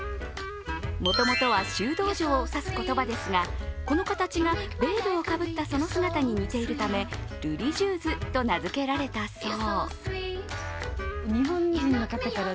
もともとは修道女を指す言葉ですがこの形がベールをかぶったその姿に似ているため、ルリジューズと名付けられたそう。